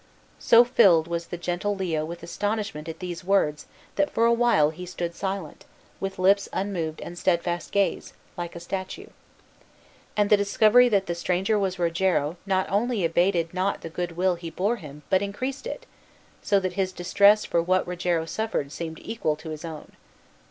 So filled was gentle Leo with astonishment at these words that for a while he stood silent, with lips unmoved and steadfast gaze, like a statue. And the discovery that the stranger was Rogero not only abated not the good will he bore him, but increased it, so that his distress for what Rogero suffered seemed equal to his own.